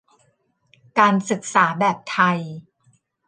การศึกษาแบบไทย